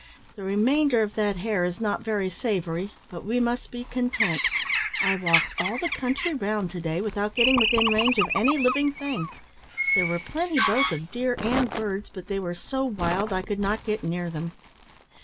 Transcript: "The remainder of that hare is not very savoury, but we must be content; I walked all the country round to day, without getting within range of any living thing. There were plenty both of deer and birds, but they were so wild I could not get near them.